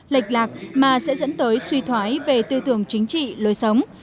lệch lạc mà sẽ dẫn tới suy thoái về tư tưởng chính trị lối sống